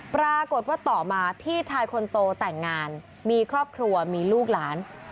ปรากฏว่าต่อมาพี่ชายคนโตแต่งงานมีครอบครัวมีลูกหลาน